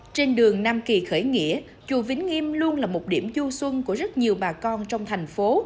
trên đường nam kỳ khởi nghĩa chùa vĩnh nghiêm luôn là một điểm du xuân của rất nhiều bà con trong thành phố